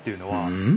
うん？